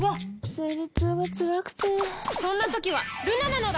生理痛がつらくてそんな時はルナなのだ！